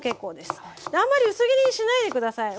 あんまり薄切りにしないで下さい。